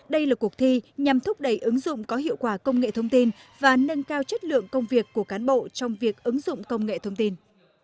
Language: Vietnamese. đây là cuộc thi nhằm thúc đẩy ứng dụng có hiệu quả công nghệ thông tin và nâng cao chất lượng công việc của cán bộ trong việc ứng dụng công nghệ thông tin